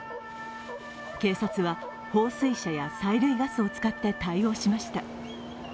警察は放水車や催涙ガスを使って対応しました。